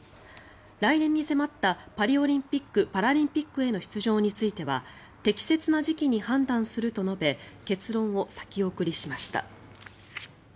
来年に迫ったパリオリンピック・パラリンピックへの出場については適切な時期に判断すると述べ結論を先送りしました。